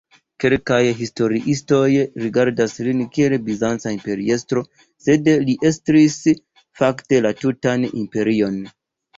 Kelkaj historiistoj rigardas lin kiel bizanca imperiestro, sed li estris fakte la tutan imperion.